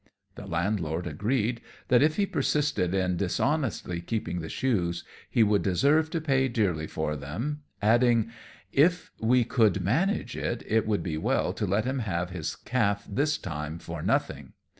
The landlord agreed, that if he persisted in dishonestly keeping the shoes, he would deserve to pay dearly for them, adding, "If we could manage it, it would be well to let him have his calf this time for nothing."